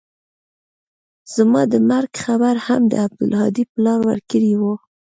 زما د مرګ خبر هم د عبدالهادي پلار ورکړى و.